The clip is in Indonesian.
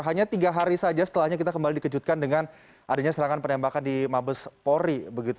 hanya tiga hari saja setelahnya kita kembali dikejutkan dengan adanya serangan penembakan di mabes polri